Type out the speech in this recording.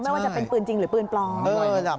ไม่ว่าจะเป็นปืนจริงหรือปืนปลอม